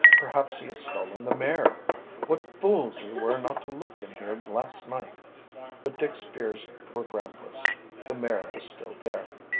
"Perhaps he has stolen the mare! What fools we were not to look in here last night." But Dick's fears were groundless. The mare was still there.